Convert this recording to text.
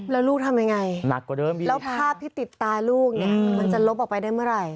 แล้วลูกทำอย่างไรแล้วภาพที่ติดตาลูกเนี่ยมันจะลบออกไปได้เมื่อไหร่